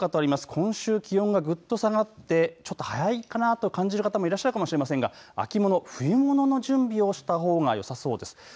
今週気温がぐっと下がってちょっと早いかなと感じる方もいらっしゃるかもしれませんが秋物、冬物の準備をしたほうがよさそうです。